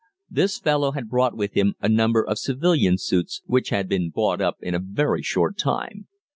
This fellow had brought with him a number of civilian suits, which had been bought up in a very short time.